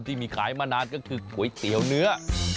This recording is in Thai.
ที่มีขายมานานก็คือก๋วยเตี๋ยวเนื้อ